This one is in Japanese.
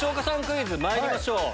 クイズまいりましょう。